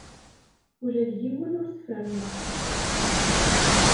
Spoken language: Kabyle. Ula d yiwen ur t-ferrneɣ.